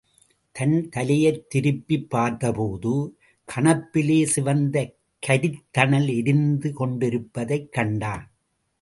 தன் தலையைத் திருப்பிப் பார்த்த போது, கணப்பிலே சிவந்த கரித்தணல் எரிந்து கொண்டிருப்பதைக் கண்டான்.